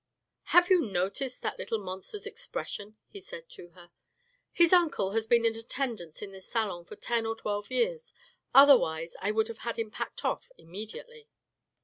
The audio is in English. " Have you noticed that little monster's expression ?" he said to her. " His uncle has been in attendance in this salon for ten or twelve years, otherwise I would have had him packed off immediately."